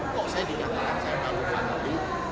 kok saya dikatakan saya malu malu